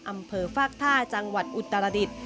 อำเภอฟากท่าจังหวัดอุตรศรรย์